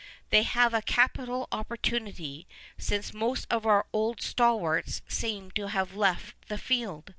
They have a cai)ital opportunity, since most of our old stalwarts seem to have left the field.